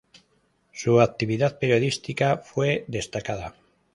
Su actividad periodística fue destacada.